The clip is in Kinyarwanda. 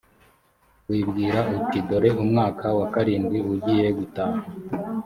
wibwira uti dore umwaka wa karindwi ugiye gutaha